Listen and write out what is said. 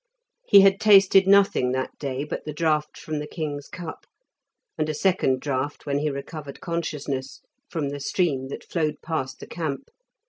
He had tasted nothing that day but the draught from the king's cup, and a second draught when he recovered consciousness, from the stream that flowed past the camp.